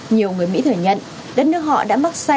nhiều người mỹ thừa nhận đất nước họ đã mắc sai